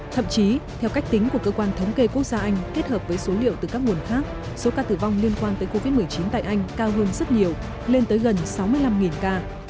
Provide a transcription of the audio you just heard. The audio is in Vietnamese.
thậm chí theo cách tính của cơ quan thống kê quốc gia anh kết hợp với số liệu từ các nguồn khác số ca tử vong liên quan tới covid một mươi chín tại anh cao hơn rất nhiều lên tới gần sáu mươi năm ca